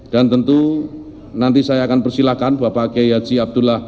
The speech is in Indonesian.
dan tentu nanti saya akan persilahkan bapak geyah ji abdullah jaity